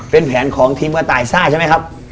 เป็นแผนของทีมกระต่ายซ่าใช่ไหมครับ